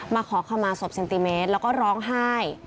ขอขมาศพเซนติเมตรแล้วก็ร้องไห้